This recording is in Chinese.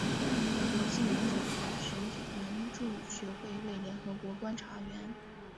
国际民主和选举援助学会为联合国观察员。